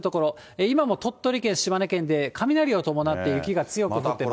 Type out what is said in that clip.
今も鳥取県、島根県で雷を伴って雪が強く降ってます。